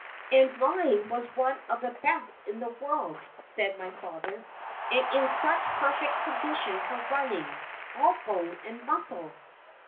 "And mine was one of the best in the world," said my father, "and in such perfect condition for running, all bone and muscle."